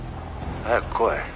「早く来い。